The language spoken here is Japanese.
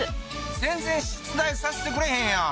全然出題させてくれへんやん！